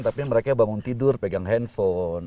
tapi mereka bangun tidur pegang handphone